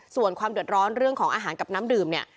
ส่วนความเดือดร้อนเรื่องของอาหารกับน้ำดื่มเนี่ย